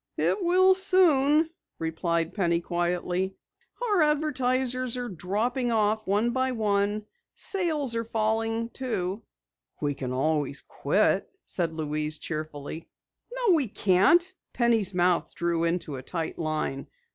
"It will soon," replied Penny quietly. "Our advertisers are dropping off one by one. Sales are falling, too." "We always can quit," said Louise cheerfully. "No, we can't," Penny's mouth drew into a tight line.